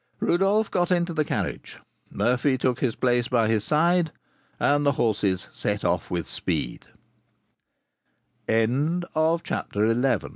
Rodolph got into the carriage, Murphy took his place by his side, and the horses set off at speed. CHAPTER XII. THE RENDEZVOUS.